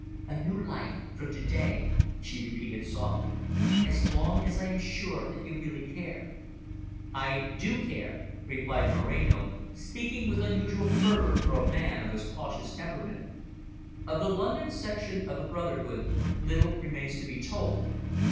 "A new life from to day," she repeated softly, "as long as I am sure that you really care." "I do care," replied Moreno, speaking with unusual fervour for a man of his cautious temperament. Of the London section of the brotherhood little remains to be told.